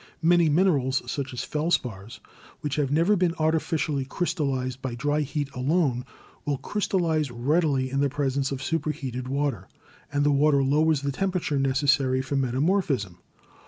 Many minerals, such as the felspars, which have never been artificially crystallized by dry heat alone, will crystallize readily in the presence of superheated water, and the water lowers the tempera ture necessary for metamorphism.